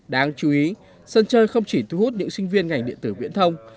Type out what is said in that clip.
đáng chú ý sân chơi không chỉ thu hút những sinh viên ngành điện tử viễn thông